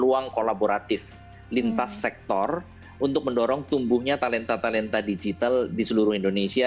ruang kolaboratif lintas sektor untuk mendorong tumbuhnya talenta talenta digital di seluruh indonesia